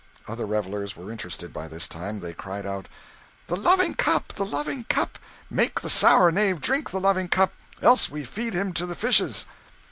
Other revellers were interested by this time. They cried out "The loving cup, the loving cup! make the sour knave drink the loving cup, else will we feed him to the fishes."